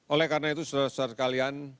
oleh karena itu saudara saudara sekalian